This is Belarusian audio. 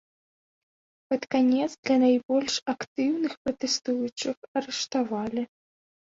Пад канец для найбольш актыўных пратэстуючых арыштавалі.